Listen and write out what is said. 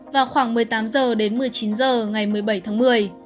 vào khoảng một mươi tám h đến một mươi chín h ngày một mươi bảy tháng một mươi